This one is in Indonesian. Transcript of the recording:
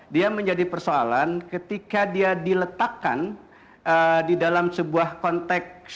dia menjadi persoalan ketika dia diletakkan di dalam sebuah konteks